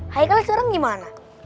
hari kali sekarang gimana